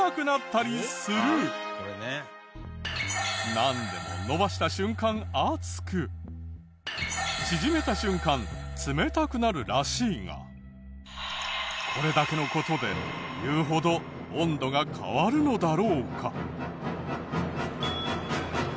なんでも伸ばした瞬間熱く縮めた瞬間冷たくなるらしいがこれだけの事で言うほど温度が変わるのだろうか？